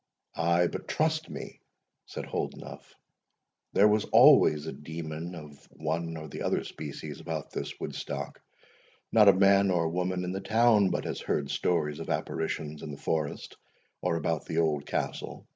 "Ay, but trust me," said Holdenough, "there was always a demon of one or the other species about this Woodstock. Not a man or woman in the town but has heard stories of apparitions in the forest, or about the old castle.